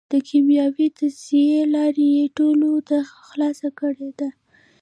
د کېمیاوي تجزیې لاره یې ټولو ته خلاصه کړېده.